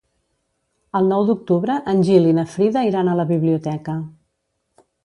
El nou d'octubre en Gil i na Frida iran a la biblioteca.